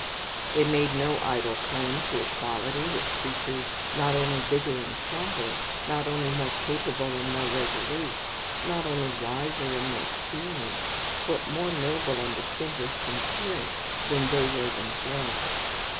They made no idle claim to equality with creatures, not only bigger and stronger, not only more capable and more resolute, not only wiser and more experienced, but more noble and distinguished in appearance than they were themselves.